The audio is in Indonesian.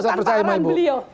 kalian jangan lebat antara beliau